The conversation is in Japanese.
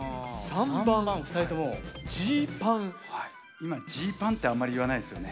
今「ジーパン」ってあんまり言わないですよね。